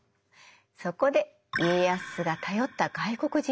そこで家康が頼った外国人がいるの。